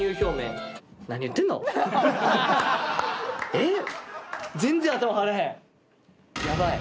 えっ？